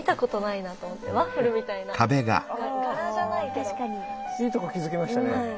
いいとこ気付きましたね。